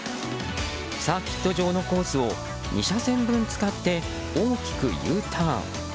サーキット場のコースを２車線分使って大きくＵターン。